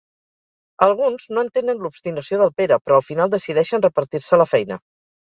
Alguns no entenen l'obstinació del Pere, però al final decideixen repartir-se la feina.